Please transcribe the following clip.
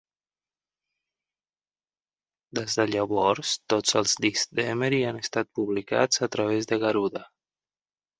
Des de llavors, tots els discs d'Emery han estat publicats a través de Garuda.